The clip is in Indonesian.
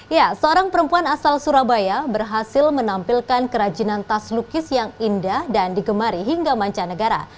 ya seorang perempuan asal surabaya berhasil menampilkan kerajinan tas lukis yang indah dan digemari hingga mancanegara